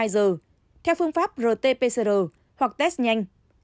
hai mươi hai giờ theo phương pháp rt pcr hoặc test nhanh